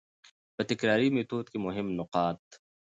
په تکراري ميتود کي مهم نقاط: